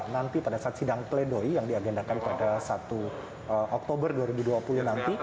nanti pada saat sidang pledoi yang diagendakan pada satu oktober dua ribu dua puluh nanti